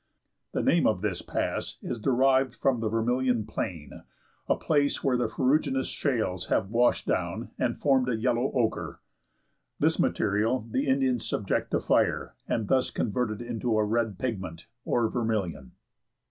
The name of this pass is derived from the Vermilion Plain, a place where the ferruginous shales have washed down and formed a yellow ochre. This material the Indians subject to fire, and thus convert it into a red pigment, or vermilion.